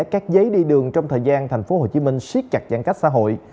các giấy đi đường trong thời gian tp hcm siết chặt giãn cách xã hội